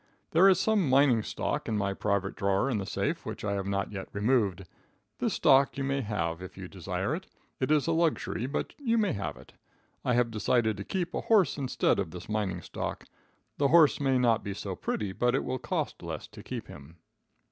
There is some mining stock in my private drawer in the safe, which I have not yet removed. This stock you may have, if you desire it. It is a luxury, but you may have it. I have decided to keep a horse instead of this mining stock. The horse may not be so pretty, but it will cost less to keep him.